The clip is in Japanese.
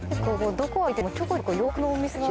どこ歩いててもちょこちょこ洋服のお店が。